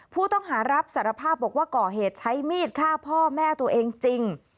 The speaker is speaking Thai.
ผู้ต้องหารับสารภาพบอกว่าก่อเหตุใช้มีดฆ่าพ่อแม่ตัวเองจริง